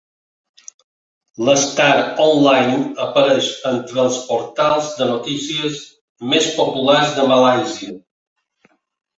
L"Star Online apareix entre els portals de notícies més populars de Malàisia.